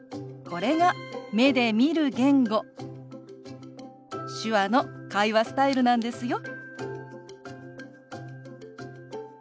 これが目で見る言語手話の会話スタイルなんですよ。